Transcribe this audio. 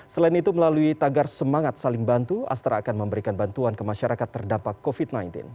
selain itu melalui tagar semangat saling bantu astra akan memberikan bantuan ke masyarakat terdampak covid sembilan belas